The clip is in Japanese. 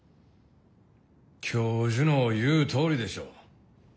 教授の言うとおりでしょう。